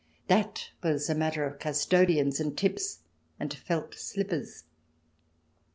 That was a matter of custodians, and tips, and felt slippers.